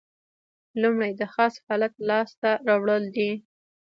لومړی د خاص حالت لاس ته راوړل دي.